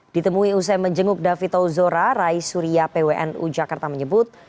ditemui usai menjenguk david ozora rai surya pwnu jakarta menyebut